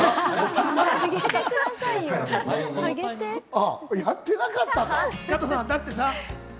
あっ、やってなかったか？